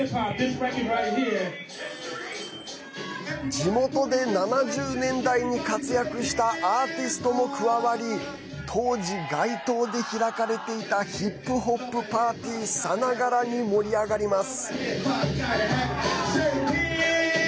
地元で７０年代に活躍したアーティストも加わり当時、街頭で開かれていたヒップホップパーティーさながらに盛り上がります。